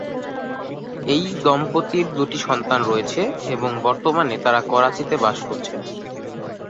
এই দম্পতির দুটি সন্তান রয়েছে এবং বর্তমানে তারা করাচিতে বাস করছেন।